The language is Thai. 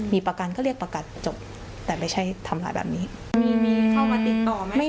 มีประกันก็เรียกประกันจบแต่ไม่ใช่ทำร้ายแบบนี้